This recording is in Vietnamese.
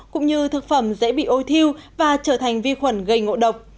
cũng như thực phẩm dễ bị ôi thiêu và trở thành vi khuẩn gây ngộ độc